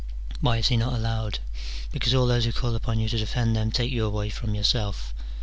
Why is he not allowed? because all those who call upon you to defend them, take you away from yourself.